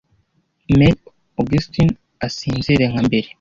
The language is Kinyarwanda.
may augustin asinzire nka mbere